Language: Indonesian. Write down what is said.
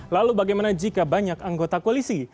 lalu bagaimana jika banyak anggota koalisi